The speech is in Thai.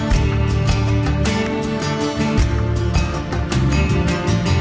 กลับมาไปที่ระเบียน